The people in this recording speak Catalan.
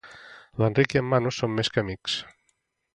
L'Enric i en Manu són més que amics.